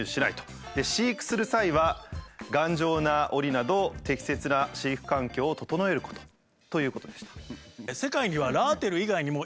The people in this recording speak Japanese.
「飼育する際は頑丈なオリなど適切な飼育環境を整えること」ということでした。